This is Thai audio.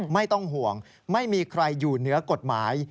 ไม่ต้องห่วงไม่มีใครอยู่เหนือกฎหมาย